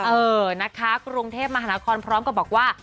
เออนะคะกรุงเทพมหานครพร้อมกับบอกว่า